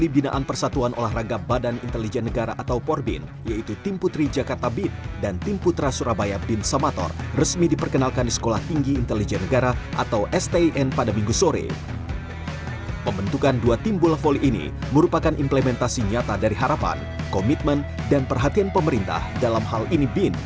bersatuan olahraga badan intelijen negara atau porbin